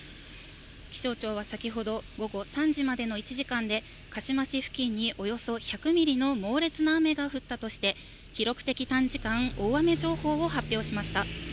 気象庁は先ほど午後３時までの１時間で、鹿嶋市付近におよそ１００ミリの猛烈な雨が降ったとして、記録的短時間大雨情報を発表しました。